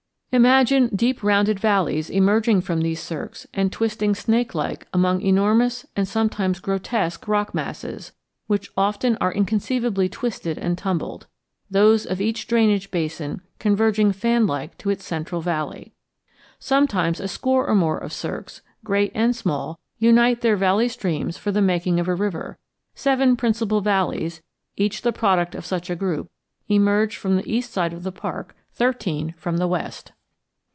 Imagine deep rounded valleys emerging from these cirques and twisting snakelike among enormous and sometimes grotesque rock masses which often are inconceivably twisted and tumbled, those of each drainage basin converging fan like to its central valley. Sometimes a score or more of cirques, great and small, unite their valley streams for the making of a river; seven principal valleys, each the product of such a group, emerge from the east side of the park, thirteen from the west.